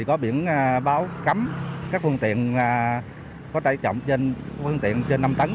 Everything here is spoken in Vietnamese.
có biển báo cấm các phương tiện có tải trọng trên năm tấn